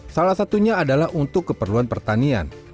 salah satunya adalah untuk keperluan pertanian